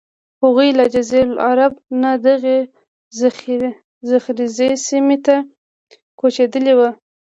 هغوی له جزیرة العرب نه دغې زرخیزې سیمې ته کوچېدلي وو.